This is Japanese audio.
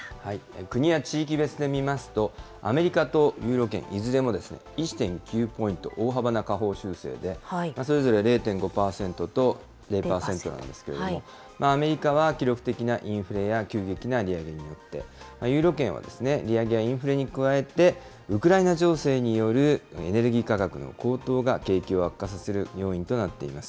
国や地域別で見ますと、アメリカとユーロ圏、いずれも１．９ポイント、大幅な下方修正で、それぞれ０．５％と０％なんですけれども、アメリカは記録的なインフレや急激な利上げによって、ユーロ圏は利上げやインフレに加えてウクライナ情勢によるエネルギー価格の高騰が景気を悪化させる要因となっています。